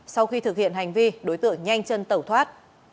sau khi thực hiện hành vi đối tượng nhanh chân tẩu thoát